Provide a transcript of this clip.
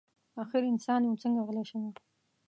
اخر انسان یم څنګه غلی شمه.